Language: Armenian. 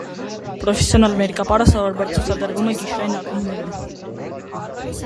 Պրոֆեսիոնալ մերկապարը սովորաբար ցուցադրվում է գիշերային ակումբներում։